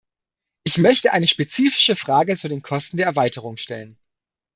Ich möchte eine spezifische Frage zu den Kosten der Erweiterung stellen.